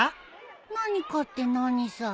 何かって何さ？